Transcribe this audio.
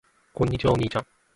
こんにちは。お兄ちゃん。